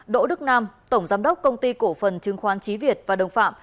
đỗ đức nam tổng giám đốc công ty cổ phần chứng khoán trí việt và đồng phạm